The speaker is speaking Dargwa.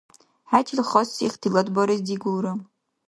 ХӀечил хасси ихтилат барес дигулра.